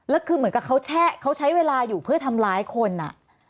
แล้วคือเหมือนกับเขาแชะเขาใช้เวลาอยู่เพื่อทำร้ายคนอ่ะ